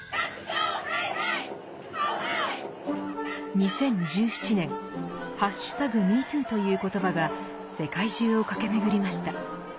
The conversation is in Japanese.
２０１７年「＃ＭｅＴｏｏ」という言葉が世界中を駆け巡りました。